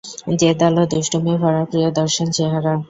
জেদালো দুষ্টুমি-ভরা প্রিয়দর্শন চেহারা।